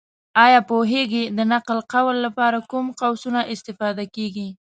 ایا پوهېږې! د نقل قول لپاره کوم قوسونه استفاده کېږي؟